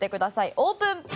オープン！